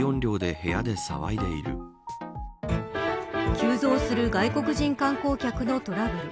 急増する外国人観光客のトラブル。